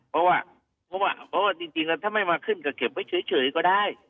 เพราะว่าเพราะว่าเพราะว่าจริงจริงแล้วถ้าไม่มาขึ้นก็เก็บไว้เฉยเฉยก็ได้